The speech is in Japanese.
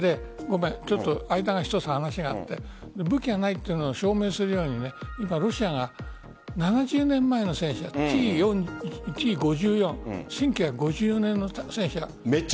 間に一つ話があって武器がないというのを証明するように今、ロシアが７０年前の戦車Ｔ‐５４１９５４年の戦車。